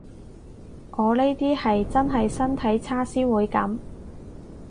我呢啲係真係身體差先會噉